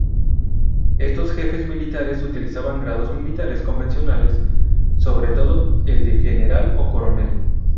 Estos jefes militares utilizaban grados militares convencionales, sobre todo el de general o coronel.